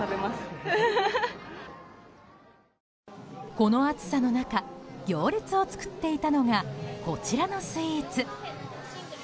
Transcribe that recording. この暑さの中行列を作っていたのがこちらのスイーツ。